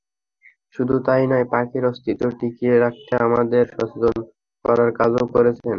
শুধু তা-ই নয়, পাখির অস্তিত্ব টিকিয়ে রাখতে মানুষকে সচেতন করার কাজও করছেন।